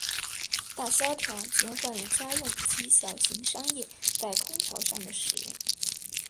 大萧条减缓了家用及小型商业在空调上的使用。